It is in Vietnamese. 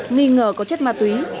nghi ngờ có chất ma túy